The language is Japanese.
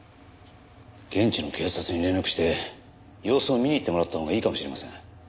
現地の警察に連絡して様子を見に行ってもらったほうがいいかもしれません。